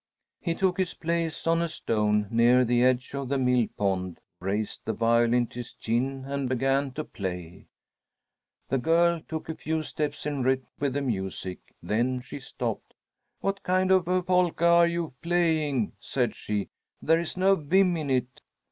He took his place on a stone near the edge of the mill pond, raised the violin to his chin, and began to play. The girl took a few steps in rhythm with the music; then she stopped. "What kind of a polka are you playing?" said she. "There is no vim in it."